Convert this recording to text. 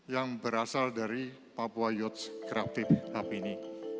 yang berasal dari papua youth creative hub ini